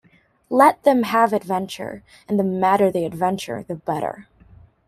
Let them have adventure, and the madder the adventure, the better.